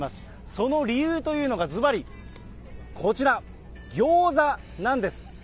その理由というのがずばりこちら、ギョーザなんです。